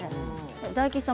大吉さん